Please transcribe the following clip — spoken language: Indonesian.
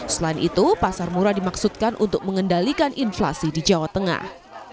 selain itu pasar murah dimaksudkan untuk mengendalikan inflasi di jawa tengah